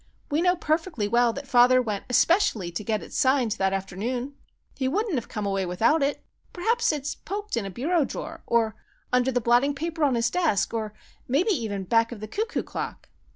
We know perfectly well that father went especially to get it signed that afternoon. He wouldn't have come away without it. Perhaps it's poked in a bureau drawer, or under the blotting paper on his desk, or maybe even back of the cuckoo clock!"